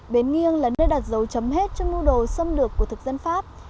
bến nghiêng là nơi đặt dấu chấm hết cho mưu đồ xâm lược của thực dân pháp